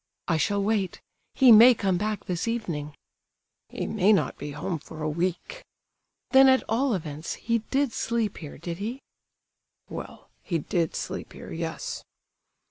"I shall wait; he may come back this evening." "He may not be home for a week." "Then, at all events, he did sleep here, did he?" "Well—he did sleep here, yes."